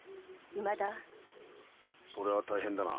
それは大変だな。